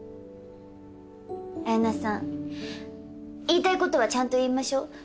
綾菜さん言いたいことはちゃんと言いましょう。